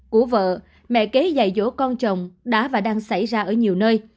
của vợ mẹ kế dài dỗ con chồng đã và đang xảy ra ở nhiều nơi